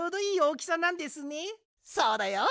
そうだよ。